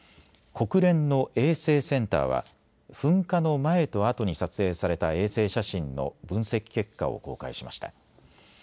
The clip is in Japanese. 国連の衛星センターは噴火の前とあとに撮影された衛星写真の分析結果を公開しました。